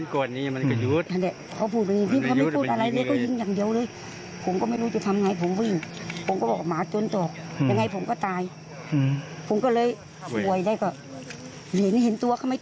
ก็เลยยิงสวนไปแล้วถูกเจ้าหน้าที่เสียชีวิต